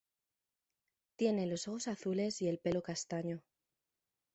Tiene los ojos azules y el pelo castaño.